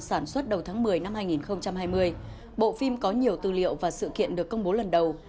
sản xuất đầu tháng một mươi năm hai nghìn hai mươi bộ phim có nhiều tư liệu và sự kiện được công bố lần đầu